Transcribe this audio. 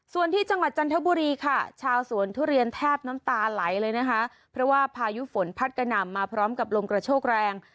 ส่วนที่จังหวัดจันทบุรีค่ะชาวสวนทุเรียนแทบน้ำตาไหลเลยนะคะเพราะว่าพายุฝนพัดกระหน่ำมาพร้อมกับลมกระโชกแรง